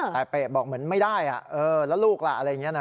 แต่เป๊ะบอกเหมือนไม่ได้แล้วลูกล่ะอะไรอย่างนี้นะ